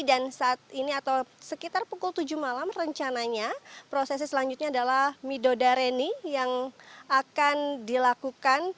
dan saat ini atau sekitar pukul tujuh malam rencananya prosesi selanjutnya adalah mido dareni yang akan dilakukan